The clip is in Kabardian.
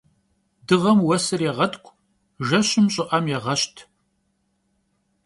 Dığem vuesır yêğetk'u, jjeşım ş'ı'em yêğeşt.